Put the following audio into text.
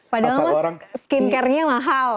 padahal skincare nya mahal